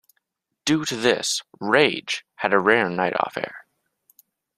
Due to this, "rage" had a rare night off air.